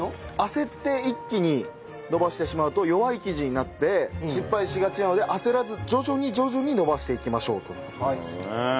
焦って一気に伸ばしてしまうと弱い生地になって失敗しがちなので焦らず徐々に徐々に伸ばしていきましょうとの事です。